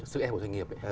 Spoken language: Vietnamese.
sức ép của doanh nghiệp